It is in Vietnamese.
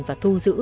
và thu giữ